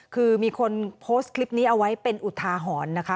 คือมีคนโพสต์คลิปนี้เอาไว้เป็นอุทาหรณ์นะคะ